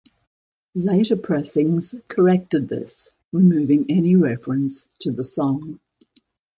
Later pressings corrected this, removing any reference to the song.